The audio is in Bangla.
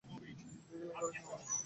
দেখিলেন ঘরে কেহ নাই।